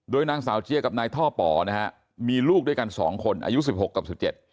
โดยนางสาวเจียกับนายท่อป่อนะครับมีลูกด้วยกันสองคนอายุ๑๖กับ๑๗